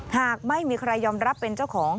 หากไม่มีใครยอมรับเป็นเจ้าของ